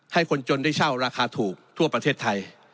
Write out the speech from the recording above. ให้คนจนได้เช่าราคาถูกทั่วประเทศไทย